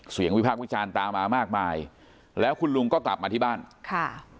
วิพากษ์วิจารณ์ตามมามากมายแล้วคุณลุงก็กลับมาที่บ้านค่ะ